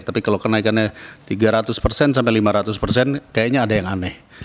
tapi kalau kenaikannya tiga ratus persen sampai lima ratus persen kayaknya ada yang aneh